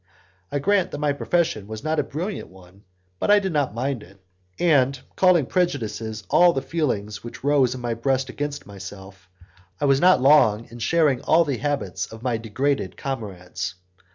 I grant that my profession was not a brilliant one, but I did not mind it, and, calling prejudices all the feelings which rose in my breast against myself, I was not long in sharing all the habits of my degraded comrades.